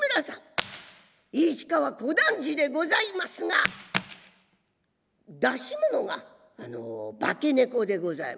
市川小団次でございますが出し物が「化け猫」でございます。